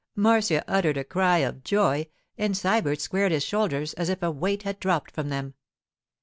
Marcia uttered a cry of joy, and Sybert squared his shoulders as if a weight had dropped from them.